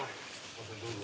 どうぞ。